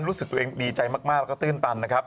รู้สึกตัวเองดีใจมากแล้วก็ตื้นตันนะครับ